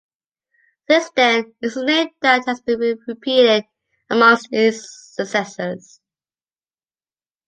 Since then, it’s a name that has been repeated amongst his successors.